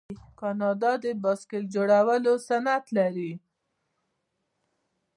کاناډا د بایسکل جوړولو صنعت لري.